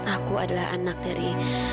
aku adalah anak dari